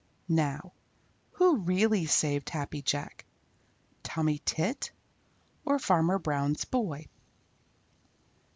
Now who really saved Happy Jack Tommy Tit or Farmer Brown's boy?